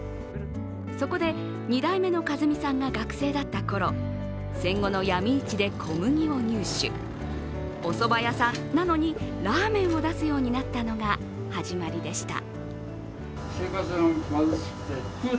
そこで、２代目の一美さんが学生だったころ、戦後の闇市で小麦を入手おそば屋さんなのにラーメンを出すようになったのが始まりでした。